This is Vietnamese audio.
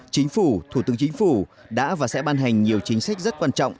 chính phủ thủ tướng chính phủ đã và sẽ ban hành nhiều chính sách rất quan trọng